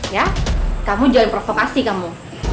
ya kamu jualin provokasi kamu